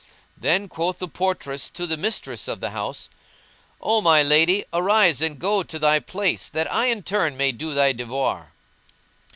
Then quoth the portress to the mistress of the house, "O my lady, arise and go to thy place that I in turn may do my devoir."